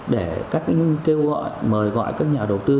để các kêu gọi mời gọi các nhà đầu tư